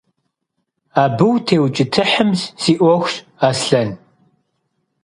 Abı vutêuç'ıtıhım si 'uexuş, Aslhen.